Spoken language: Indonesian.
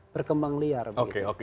berkembang liar oke oke